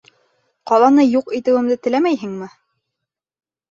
Ҡаланы юҡ итеүемде теләмәйһеңме?